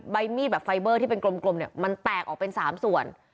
ใบมีดแบบไฟเบอร์ที่เป็นกลมเนี่ยมันแตกออกเป็น๓ส่วน